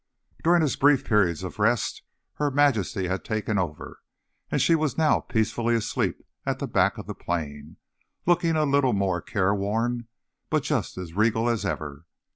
During his brief periods of rest, Her Majesty had taken over, and she was now peacefully asleep at the back of the plane, looking a little more careworn, but just as regal as ever.